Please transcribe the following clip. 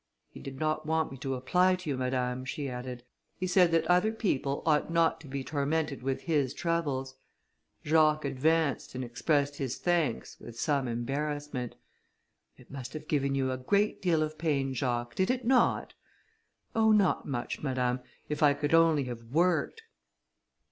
"He did not want me to apply to you, madame," she added; "he said that other people ought not to be tormented with his troubles." Jacques advanced, and expressed his thanks, with some embarrassment. "It must have given you a great deal of pain, Jacques, did it not?" "Oh! not much, madame, if I could only have worked!"